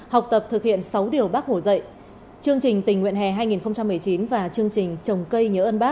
học tập thực hiện sáu điều bác hổ dậy